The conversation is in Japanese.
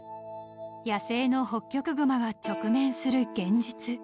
［野生のホッキョクグマが直面する現実］